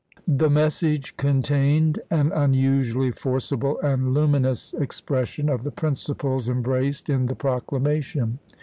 The message contained an unusually forcible and luminous expression of the principles embraced in the proclamation.